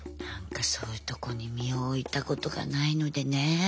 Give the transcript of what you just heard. なんかそういうとこに身を置いたことがないのでね。